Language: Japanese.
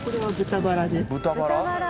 豚バラ？